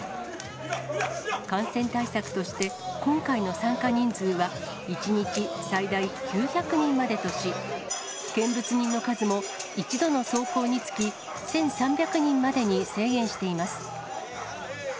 感染対策として、今回の参加人数は１日最大９００人までとし、見物人の数も１度の走行につき、１３００人までに制限しています。